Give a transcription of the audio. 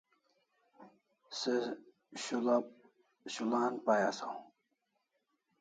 Se shul'an pai asaw